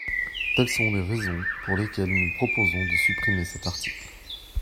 Telles sont les raisons pour lesquelles nous proposons de supprimer cet article.